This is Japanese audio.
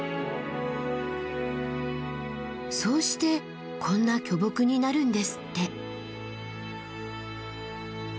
そうしてこんな巨木になるんですって。